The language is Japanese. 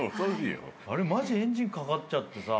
あれマジエンジンかかっちゃってさ